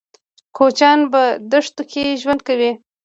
کوچيان په دښتو کې ژوند کوي.